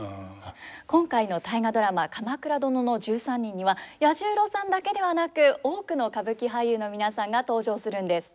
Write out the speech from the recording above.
今回の「大河ドラマ鎌倉殿の１３人」には彌十郎さんだけではなく多くの歌舞伎俳優の皆さんが登場するんです。